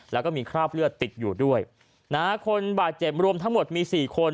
แล้วก็มีคราบเลือดติดอยู่ด้วยนะฮะคนบาดเจ็บรวมทั้งหมดมีสี่คน